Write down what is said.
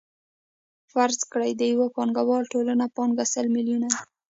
فرض کړئ د یو پانګوال ټوله پانګه سل میلیونه ده